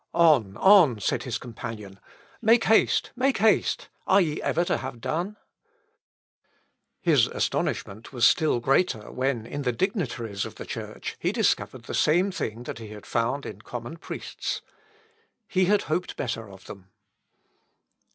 "On, on," said his companion; "make haste, make haste; are ye ever to have done?" Luth. Op. (W.) xix, von der Winkelmesse, Mathesius, 6. His astonishment was still greater when, in the dignitaries of the Church, he discovered the same thing that he had found in common priests. He had hoped better of them.